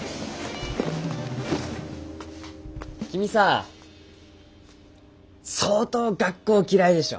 君さ相当学校嫌いでしょ。